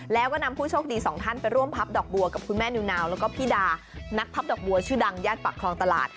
แล้วก็นำผู้โชคดีสองท่านไปร่วมพับดอกบัวกับคุณแม่นิวนาวแล้วก็พี่ดานักพับดอกบัวชื่อดังญาติปากคลองตลาด